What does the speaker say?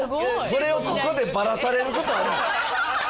それをここでバラされることあんの？